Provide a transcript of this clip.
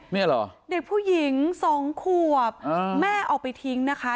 เนี่ยเหรอเด็กผู้หญิงสองขวบแม่เอาไปทิ้งนะคะ